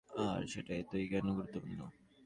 আর সেটা এতই কেন গুরুত্বপূর্ণ?